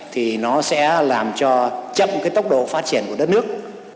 thì nó sẽ làm cho chậm cái tốc độ phát triển của đất nước